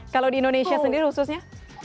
kalau di indonesia sendiri khususnya